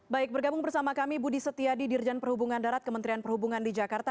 baik bergabung bersama kami budi setia di dirjan perhubungan darat kementerian perhubungan di jakarta